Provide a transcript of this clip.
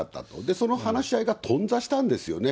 その話し合いがとん挫したんですよね。